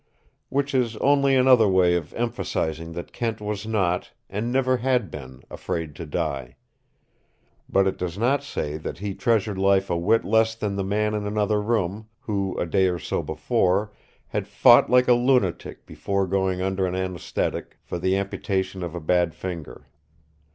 Which is only another way of emphasizing that Kent was not, and never had been, afraid to die. But it does not say that he treasured life a whit less than the man in another room, who, a day or so before, had fought like a lunatic before going under an anesthetic for the amputation of a bad finger.